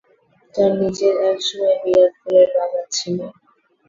তাঁর নিজের এক সময় বিরাট ফুলের বাগান ছিল।